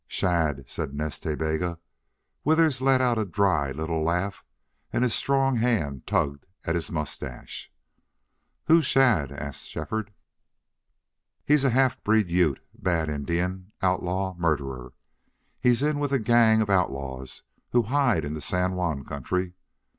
"Shadd," said Nas Ta Bega. Withers let out a dry little laugh and his strong hand tugged at his mustache. "Who's Shadd?" asked Shefford. "He's a half breed Ute bad Indian, outlaw, murderer. He's in with a gang of outlaws who hide in the San Juan country....